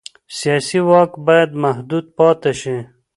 سیاسي واک باید محدود پاتې شي